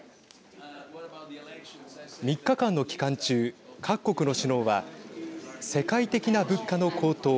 ３日間の期間中各国の首脳は世界的な物価の高騰。